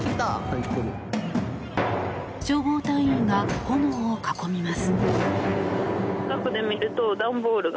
消防隊員が炎を囲みます。